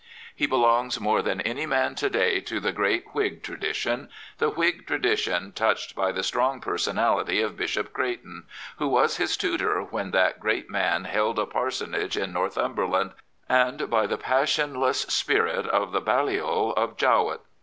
He belongs more than any man to day to the great Whig tradition — the Whig tradition, touched by the strong personality of Bishop Creighton, who was his tutor when that great man held a parsonage in Northumberland, and by the passionless spirit of the Balliol of Jowett.